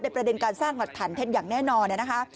ประเด็นการสร้างหลักฐานเท็จอย่างแน่นอนนะคะ